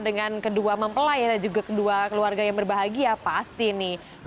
dengan kedua mempelai dan juga kedua keluarga yang berbahagia pasti nih